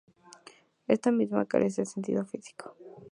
Esta misma, carece de sentido físico.